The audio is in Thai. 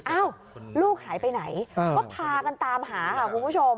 อ้าวลูกหายไปไหนก็พากันตามหาค่ะคุณผู้ชม